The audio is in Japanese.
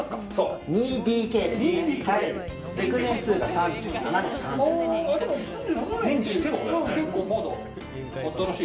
築年数が３７年。